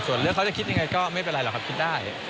ส่วนเรื่องเขาจะคิดยังไงก็ไม่เป็นไรหรอกครับคิดได้